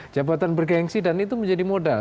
jabatan bergensi dan itu menjadi modal